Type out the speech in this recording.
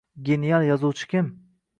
Genial yozuvchi kim?